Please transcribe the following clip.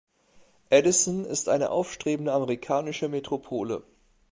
Edison ist eine aufstrebende amerikanische Metropole.